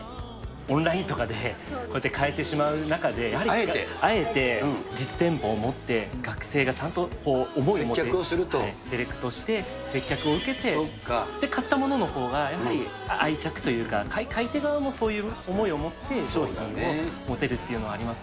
オンラインとかでこうやって買えてしまう中で、やはりあえて実店舗を持って、学生がちゃんと思いを持ってセレクトして、接客を受けて、で、買った者のほうが愛着というか、買い手側もそういう思いを持って商品を持てるというのはあります